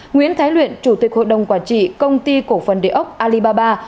nguyễn thái luyện chủ tịch hội đồng quản trị công ty cổ phần địa ốc alibaba